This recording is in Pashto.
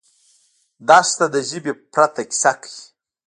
دښته د ژبې پرته کیسه کوي.